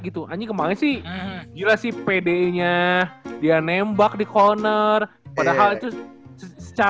gitu anjing kemahin sih gila sih pd nya dia nembak di supreme